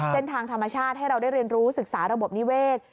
เส้นทางธรรมชาติให้เราได้เรียนรู้ศึกษาระบบนิเวศ